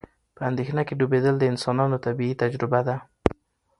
په اندېښنه کې ډوبېدل د انسانانو طبیعي تجربه ده.